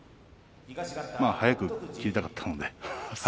まあ早く切りたかったので。